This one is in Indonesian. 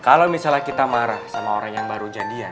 kalau misalnya kita marah sama orang yang baru jadian